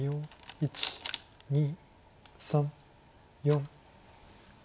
１２３４。